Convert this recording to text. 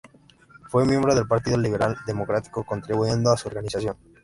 Fue miembro del Partido Liberal Democrático, contribuyendo a su organización.